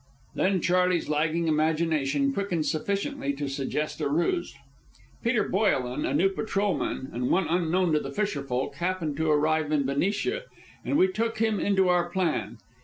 Then Charley's lagging imagination quickened sufficiently to suggest a ruse. Peter Boyelen, a new patrolman and one unknown to the fisher folk, happened to arrive in Benicia, and we took him into our plan.